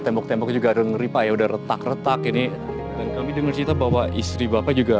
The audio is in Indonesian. tembok tembok juga ada ngeri pak ya udah retak retak ini dan kami dengar cerita bahwa istri bapak juga